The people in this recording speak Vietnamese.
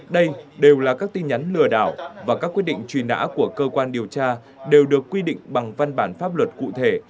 đây đều là các tin nhắn lừa đảo và các quyết định truy nã của cơ quan điều tra đều được quy định bằng văn bản pháp luật cụ thể